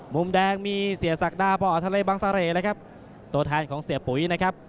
มุมแดงมีเสียศักดาพอทะเลบังเสร่เลยครับตัวแทนของเสียปุ๋ยนะครับ